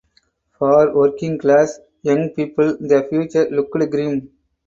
For working class young people the future looked grim.